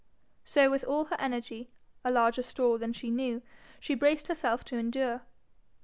So, with all her energy, a larger store than she knew, she braced herself to endure.